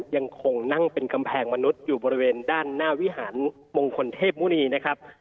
ยังคงนั่งเป็นกำแพงมนุษย์อยู่บริเวณด้านหน้าวิหารมงคลเทพมุณีนะครับ